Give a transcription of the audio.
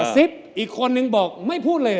ซิปอีกคนนึงบอกไม่พูดเลย